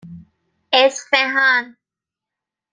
اصفهان